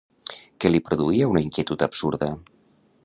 Què li produïa una inquietud absurda?